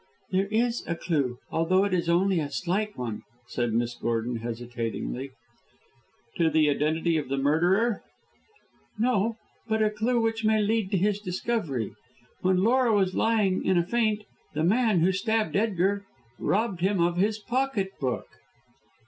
"There is a clue, although it is only a slight one," said Miss Gordon, hesitatingly. "To the identity of the murderer?" "No, but a clue which may lead to his discovery. When Laura was lying in a faint, the man who stabbed Edgar robbed him of his pocket book."